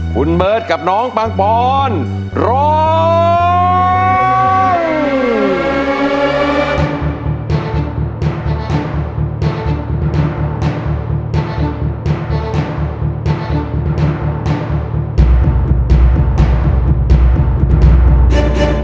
คุณเบิร์ตกับน้องปังปอนร้อง